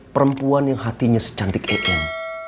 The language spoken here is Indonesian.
perempuan yang hatinya secantik ikan